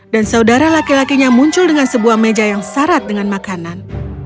dan saudara laki lakinya muncul dengan sebuah meja yang sarat dengan makanan